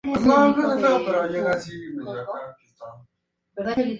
Tuvo claro desde temprana edad que quería dedicarse al mundo de la moda.